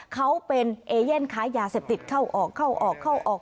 เขาเป็นเอเย่นค้ายาเสพติดเข้าออกเข้าออกเข้าออก